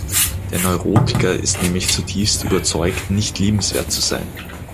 Der Neurotiker ist nämlich zutiefst überzeugt, nicht liebenswert zu sein.